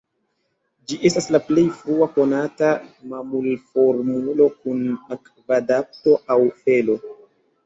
Ĝi estas la plej frua konata mamulformulo kun akvadapto aŭ felo.